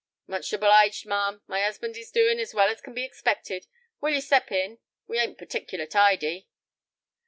"Much obliged, ma'am; my 'usband is doin' as well as can be expected. Will you step in? We ain't particular tidy."